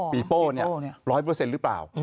เปีโป่เนี่ย๑๐๐หรือเปล่า